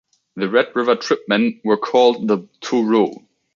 The Red River "tripmen" were called the "Taureaux".